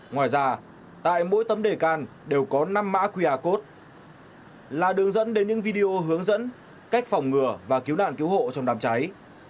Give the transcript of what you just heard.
ngoài ra tại mỗi tấm đề can đều có năm mã qr code là đường dẫn đến những video hướng dẫn cách phòng ngừa và cứu nạn cứu hộ trong đám cháy